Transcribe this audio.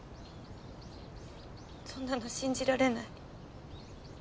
そんなの信じられない。